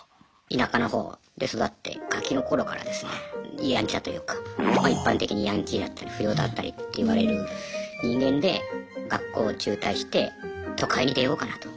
田舎のほうで育ってガキの頃からですねやんちゃというか一般的にヤンキーだったり不良だったりっていわれる人間で学校を中退して都会に出ようかなと。